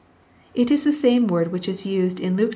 It is the same word which is used in Luke i.